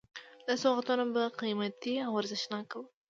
دا سوغاتونه به قیمتي او ارزښتناک وو.